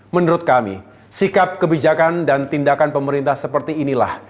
menurut kami sikap kebijakan dan tindakan pemerintah seperti inilah